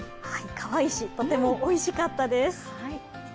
かわいいし、とてもおいしかったです。